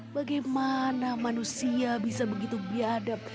bagaimana manusia bisa begitu biadab